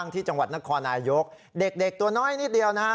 ที่จังหวัดนครนายกเด็กตัวน้อยนิดเดียวนะฮะ